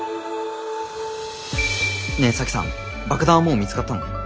ねえ沙樹さん爆弾はもう見つかったの？